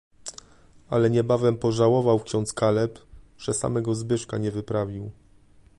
"Ale niebawem pożałował ksiądz Kaleb, że samego Zbyszka nie wyprawił."